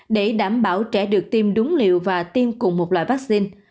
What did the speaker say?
để đảm bảo trẻ được tiêm đúng liều và tiêm cùng một loại vaccine